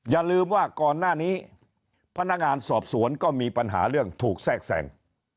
อย่าลืมว่าก่อนหน้านี้พนักงานสอบสวนก็มีปัญหาเรื่องถูกแทรกแทรง